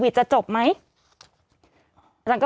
สิบเก้าชั่วโมงไปสิบเก้าชั่วโมงไป